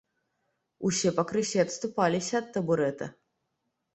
Усе пакрысе адступаліся ад табурэта.